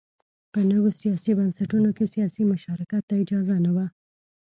په نویو سیاسي بنسټونو کې سیاسي مشارکت ته اجازه نه وه.